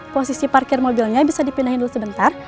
posisi parkir mobilnya bisa dipindahin dulu sebentar